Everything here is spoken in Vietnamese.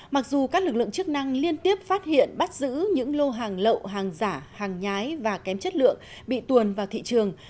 mặc dù các lực lượng chức năng liên tiếp phát hiện bắt giữ những lô hàng lậu hàng giả hàng nhái và kém chất lượng bị tuồn vào thị trường